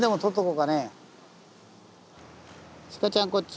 シカちゃんこっち。